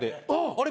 あれ？